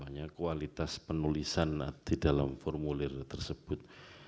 hanya kualitas penulisan di dalam formulir tersebut